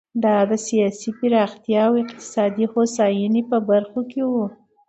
دا د سیاسي پراختیا او اقتصادي هوساینې په برخو کې و.